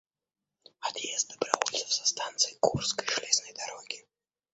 Отъезд добровольцев со станции Курской железной дороги.